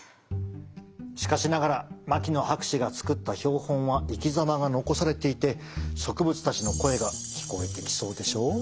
しかしながら牧野博士が作った標本は生き様が残されていて植物たちの声が聞こえてきそうでしょ。